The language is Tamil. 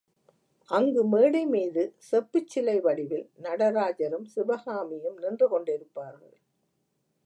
அங்கு மேடை மீது செப்புச்சிலை வடிவில் நடராஜரும் சிவகாமியும் நின்று கொண்டிருப்பார்கள்.